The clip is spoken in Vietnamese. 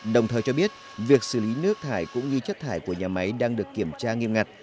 đồng thời cho biết việc xử lý nước thải cũng như chất thải của nhà máy đang được kiểm tra nghiêm ngặt